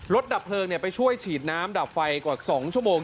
ดับเพลิงไปช่วยฉีดน้ำดับไฟกว่า๒ชั่วโมง